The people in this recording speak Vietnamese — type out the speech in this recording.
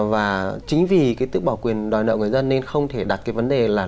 và chính vì tước bỏ quyền đòi nợ của người dân nên không thể đặt vấn đề là